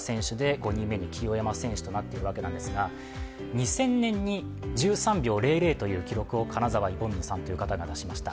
２０００年に１３秒００という記録を金沢イボンヌさんという方が出しました。